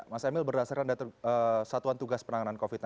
mas emil berdasarkan satuan tugas penanganan covid sembilan belas